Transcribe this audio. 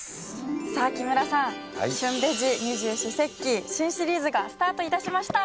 さあ木村さん「旬ベジ二十四節気」新シリーズがスタート致しました。